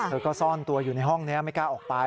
ก็ซ่อนตัวอยู่ในห้องนี้ไม่กล้าออกไป